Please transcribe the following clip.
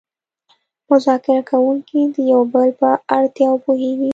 مذاکره کوونکي د یو بل په اړتیاوو پوهیږي